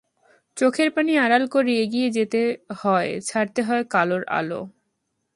চোখের পানি আড়াল করে এগিয়ে যেতে হয়, ছড়াতে হয় কালোর আলো।